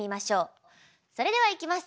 それではいきます。